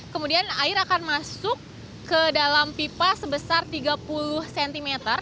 kemudian air akan masuk ke dalam pipa sebesar tiga puluh cm